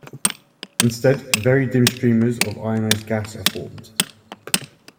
Instead very dim streamers of ionised gas are formed.